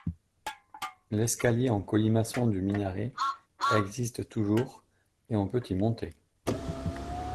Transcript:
L'escalier en colimaçon du minaret existe toujours et on peut y monter.